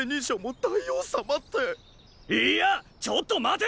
いいやちょっと待て！